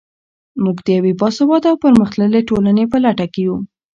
موږ د یوې باسواده او پرمختللې ټولنې په لټه کې یو.